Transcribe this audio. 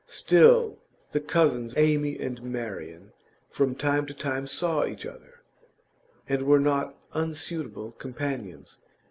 Still, the cousins Amy and Marian from time to time saw each other, and were not unsuitable companions.